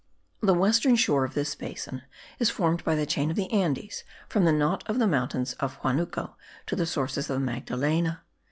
The western shore of this basin is formed by the chain of the Andes, from the knot of the mountains of Huanuco to the sources of the Magdalena.